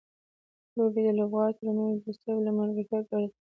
لوبې د لوبغاړو ترمنځ دوستۍ او ملګرتیا سبب ګرځي.